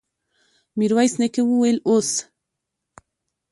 ميرويس نيکه وويل: اوس!